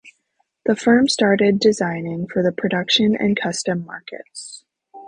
The firm started designing for the production and custom markets.